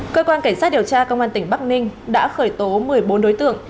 cơ quan cảnh sát điều tra công an tỉnh bắc ninh đã khởi tố một mươi bốn đối tượng